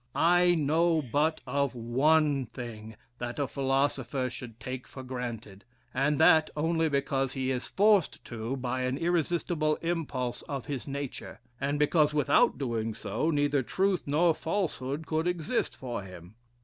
I know but of one thing that a philosopher should take for granted; and that only because he is forced to it by an irresistible impulse of his nature; and because, without doing so, neither truth nor falsehood could exist for him.